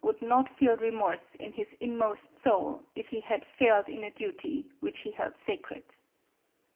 would not feel remorse in his inmost soul, if he had failed in a duty, which he held sacred.